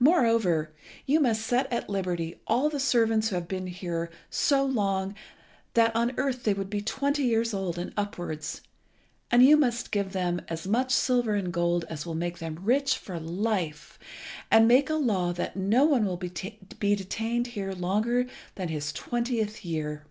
Moreover, you must set at liberty all the servants who have been so long here that on earth they would be twenty years old and upwards; and you must give them as much silver and gold as will make them rich for life, and make a law that no one shall be detained here longer than his twentieth year."